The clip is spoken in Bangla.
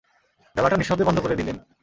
ডালাটা নিঃশব্দে বন্ধ করে দিলেন।